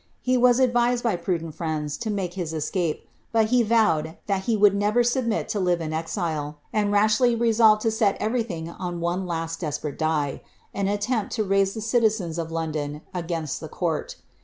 He was advised, by prudent friends, to make his escape, but he vowed that he never would submit to live in exile, and rashly resolved to set everything on one last desperate die — an attempt to raise the citizens of London against the court.